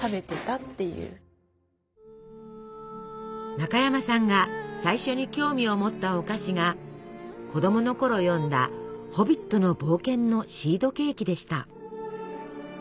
中山さんが最初に興味を持ったお菓子が子どものころ読んだ「ホビットの冒険」のシードケーキでした。